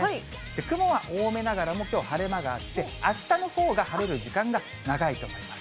雲は多めながらもきょうは晴れ間があって、あしたのほうが晴れる時間が長いと思います。